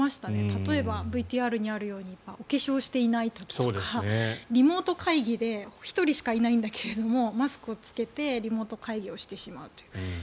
例えば、ＶＴＲにあるようにお化粧していない時とかリモート会議で１人しかいないんだけどマスクを着けてリモート会議をしてしまうと。